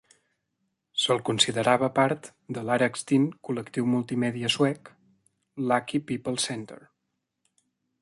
Se'l considerava part de l'ara extint col·lectiu multimèdia suec Lucky People Center.